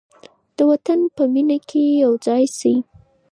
د وطن په مینه کې یو ځای شئ.